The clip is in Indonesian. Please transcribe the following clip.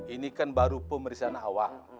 ini kan baru pun merisauan awal